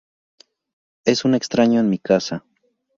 Es un extraño en mi casa.